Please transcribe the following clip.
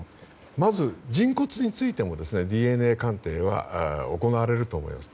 まず、人骨についてもＤＮＡ鑑定は行われると思います。